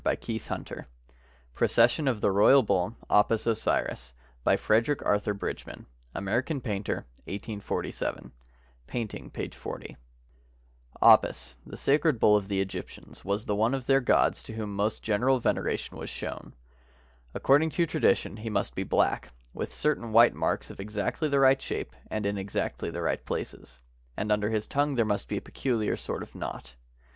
PROCESSION OF THE ROYAL BULL APIS OSIRIS PROCESSION OF THE ROYAL BULL APIS OSIRIS BY FREDERICK ARTHUR BRIDGMAN {American painter. 1847) Apis, the sacred bull of the Egyptians, was the one of their gods to whom most general veneration was shown. Accord ing to tradition, he must be black, with certain white marks of exactly the right shape and in exactly the right places; and under his tongue there must be a peculiar sort of knot.